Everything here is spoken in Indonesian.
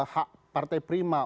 hak partai prima